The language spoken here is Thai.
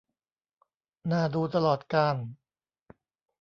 น่าดูตลอดกาล